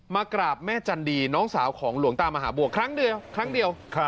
มากราบแม่จันดีน้องสาวของหลวงตามหาบวกครั้งเดียว